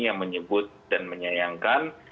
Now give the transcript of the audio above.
yang menyebut dan menyayangkan